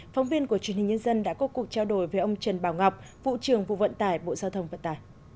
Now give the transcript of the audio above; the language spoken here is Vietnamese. phóng viên của truyền hình nhân dân đã có cuộc trao đổi với ông trần bảo ngọc vụ trưởng vụ vận tải bộ giao thông vận tải